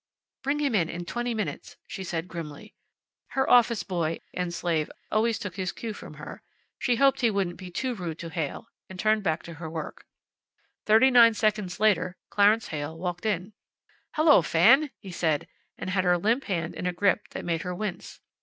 "Bring him in in twenty minutes," she said, grimly. Her office boy (and slave) always took his cue from her. She hoped he wouldn't be too rude to Heyl, and turned back to her work again. Thirty nine seconds later Clarence Heyl walked in. "Hello, Fan!" he said, and had her limp hand in a grip that made her wince.